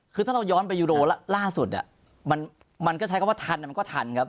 คือถ้าเราย้อนไปยูโรล่าสุดมันก็ใช้คำว่าทันมันก็ทันครับ